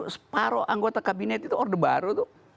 separuh anggota kabinet itu order baru